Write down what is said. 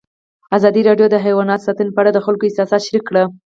ازادي راډیو د حیوان ساتنه په اړه د خلکو احساسات شریک کړي.